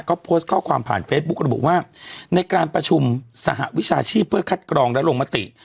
ก็โพสต์ข้อความผ่านเฟซบุ๊กระบุว่าในการประชุมสหวิชาชีพเพื่อคัดกรองและลงมติ